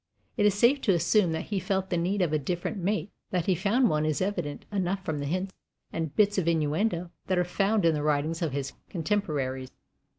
It is safe to assume that he felt the need of a different mate; and that he found one is evident enough from the hints and bits of innuendo that are found in the writings of his contemporaries.